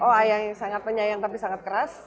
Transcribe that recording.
oh yang sangat penyayang tapi sangat keras